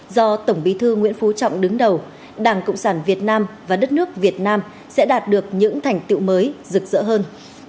do tổng bí thư nguyễn phú trọng đứng đầu đảng cộng sản việt nam và đất nước việt nam sẽ đạt được những thành tiệu mới rực rỡ hơn